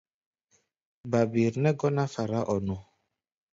Babir nɛ́ gɔ́ná fará-ɔ-nu.